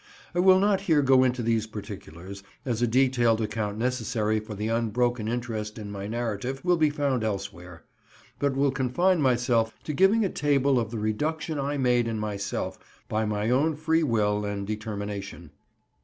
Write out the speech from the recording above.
I will not here go into these particulars, as a detailed account necessary for the unbroken interest in my narrative will be found elsewhere, but will confine myself to giving a table of the reduction I made in myself by my own free will and determination.